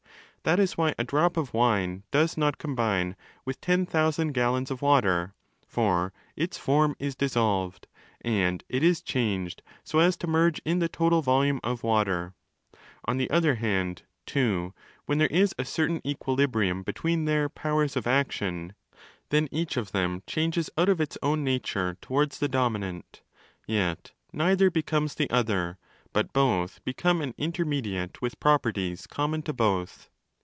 (That is why a drop of wine does not 'combine' with ten thousand gallons of water: for its form is dissolved, and it! is changed so as to merge in the total volume of water.) On the other hand (ii) when there is a certain equilibrium between their 30 ' powers of action', then each of them changes out of its own nature towards the dominant: yet neither becomes the other, but both become an intermediate with properties common to both.?